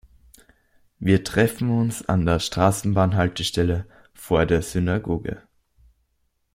Wir treffen uns an der Straßenbahnhaltestelle vor der Synagoge.